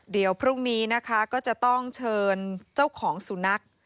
เดี๋ยวพรุ่งนี้นะคะก็จะต้องเชิญเจ้าของสุนัข